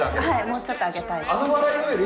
もうちょっとあげたいです